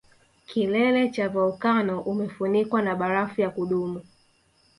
Kilele cha volkano umefunikwa na barafu ya kudumu